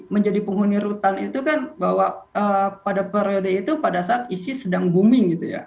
menjadi penghuni rutan itu kan bahwa pada periode itu pada saat isis sedang booming gitu ya